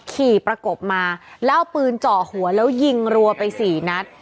ขี่ประกบมาแล้วเอาปืนเจาะหัวแล้วยิงรัวไปสี่นัด